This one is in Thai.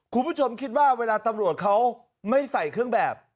คุณผู้ชมคิดว่าเวลาตำรวจเขาไม่ใส่เครื่องแบบ